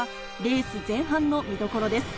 ダウンはレース前半の見どころです。